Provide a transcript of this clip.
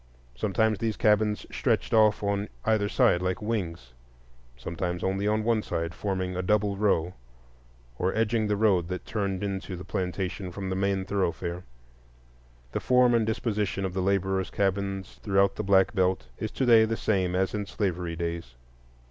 Sometimes these cabins stretched off on either side like wings; sometimes only on one side, forming a double row, or edging the road that turned into the plantation from the main thoroughfare. The form and disposition of the laborers' cabins throughout the Black Belt is to day the same as in slavery days.